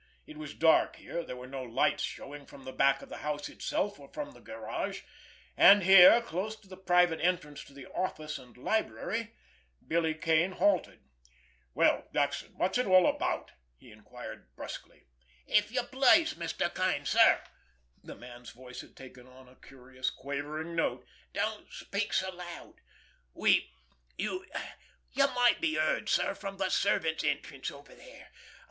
It was dark here, there were no lights showing from the back of the house itself or from the garage; and here, close to the private entrance to the "office" and library, Billy Kane halted. "Well, Jackson, what's it all about?" he inquired brusquely. "If you please, Mr. Kane, sir"—the man's voice had taken on a curious, quavering note—"don't speak so loud. We—you—you might be heard, sir, from the servants' entrance over there.